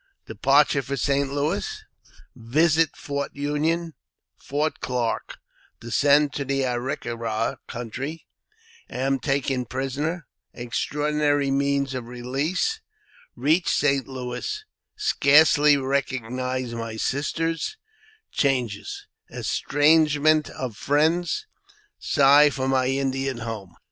Departure for St. Louis — Visit Fort Union — Fort Clarke — Descend to tl A rick a ra Country — Am taken Prisoner — Extraordinary Means of Kelease — Eeach St. Louis — Scarcely recognized by my Sisters — Changes — Estrangement of Friends — Sigh for my Indian Home.